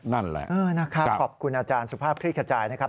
นั่นแหละนะครับขอบคุณอาจารย์สุภาพคลี่ขจายนะครับ